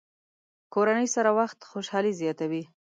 کورنۍ سره وخت خوشحالي زیاتوي.